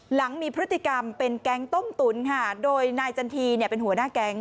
หลังมีพฤติกรรมเป็นแก๊งต้มตุ๋นค่ะโดยนายจันทีเนี่ยเป็นหัวหน้าแก๊ง